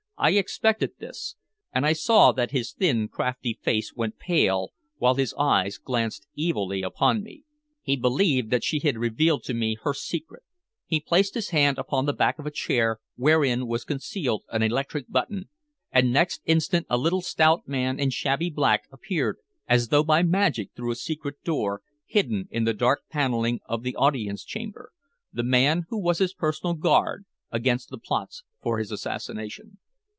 I expected this!" And I saw that his thin, crafty face went pale, while his eyes glanced evilly upon me. He believed that she had revealed to me her secret. He placed his hand upon the back of a chair wherein was concealed an electric button, and next instant a little stout man in shabby black appeared as though by magic through a secret door hidden in the dark paneling of the audience chamber the man who was his personal guard against the plots for his assassination.